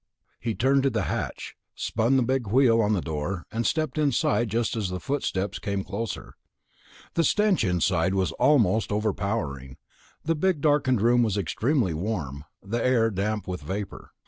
he turned to the hatch, spun the big wheel on the door, and slipped inside just as the footsteps came closer. The stench inside was almost overpowering. The big, darkened room was extremely warm, the air damp with vapor.